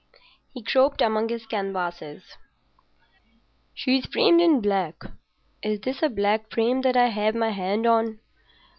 He groped among his canvases. "She's framed in black. Is this a black frame that I have my hand on?